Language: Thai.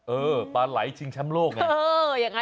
เออปลายชิงชามโลกไง